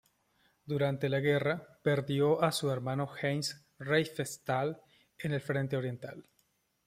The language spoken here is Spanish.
Durante la guerra, perdió a su hermano Heinz Riefenstahl en el frente oriental.